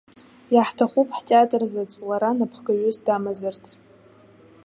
Иаҳҭахуп ҳтеатр заҵә лара напхгаҩыс дамазарц.